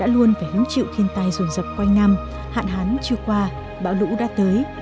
luôn phải hướng chịu thiên tai dồn dập quanh năm hạn hán chưa qua bão lũ đã tới